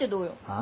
あ？